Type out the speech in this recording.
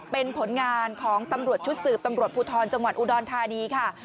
เป็นผลงานของตำรวจชุดสืบตำรวจภูทรจังหวัดอุดรธานีค่ะ